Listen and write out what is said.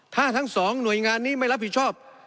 ถ้าทั้งสองหน่วยงานนี้ไม่รับผิดชอบ